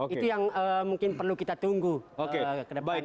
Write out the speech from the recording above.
itu yang mungkin perlu kita tunggu kedepannya